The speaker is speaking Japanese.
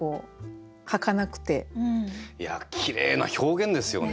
きれいな表現ですよね。